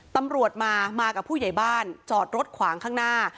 ตำรวจมามากับผู้ใหญ่บ้านจอดรถขวางข้างหน้า